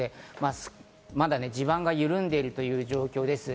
まだ地盤が緩んでいる状況です。